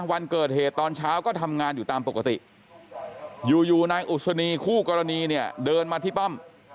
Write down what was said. วันเกิดเหตุตอนเช้าก็ทำงานอยู่ตามปกติอยู่นายอุศนีคู่กรณีเนี่ยเดินมาที่ป้อม